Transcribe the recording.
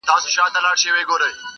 خپل جنون په کاڼو ولم.!